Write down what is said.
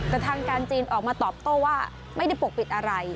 แต่ทางการจีนออกมาตอบโต้ว่าไม่ได้ปกปิดอะไร